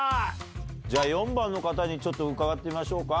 じゃあ４番の方に伺ってみましょうか。